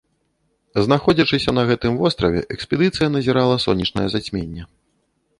Знаходзячыся на гэтым востраве, экспедыцыя назірала сонечнае зацьменне.